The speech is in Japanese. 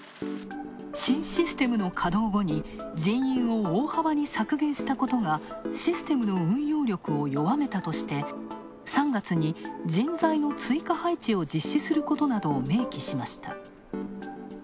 新システムの稼働後に人員を大幅に削減したことがシステムの運用力を弱めたとして３月に人材の追加配置を実施することなどを明記しました。